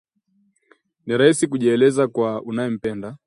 Ni rahisi kujieleza kwa unayempenda